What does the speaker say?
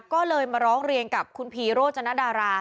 ก็เลยมาร้องเรียนกับคุณพีโรจนดารา